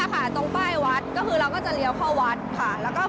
ว่าให้เราติดต่อทางบริษัทนี้บริษัทเกาะสร้าง